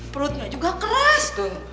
perutnya juga keras